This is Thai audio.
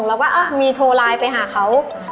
เราก็มีโทรไลน์ไปหาเขา